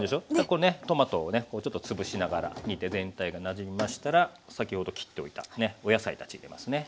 これねトマトをねちょっと潰しながら煮て全体がなじみましたら先ほど切っておいたお野菜たち入れますね。